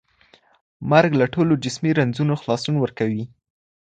مرګ له ټولو جسمي رنځونو خلاصون ورکوي.